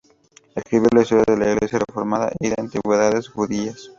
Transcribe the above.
Escribió la "Historia de la Iglesia Reformada" y de "Antigüedades judías".